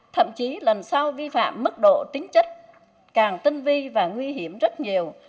thậm chí lần sau vi phạm mức độ tính chất càng tinh vi và nguy hiểm rất nhiều